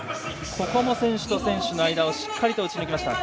ここも選手と選手の間をしっかり打ち抜きました。